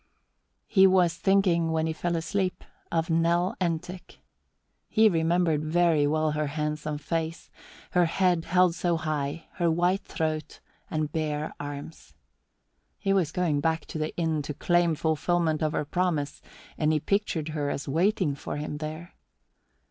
He was thinking, when he fell asleep, of Nell Entick. He remembered very well her handsome face, her head held so high, her white throat and bare arms. He was going back to the inn to claim fulfillment of her promise and he pictured her as waiting for him there.